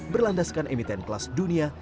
berlandaskan emiten kelas dunia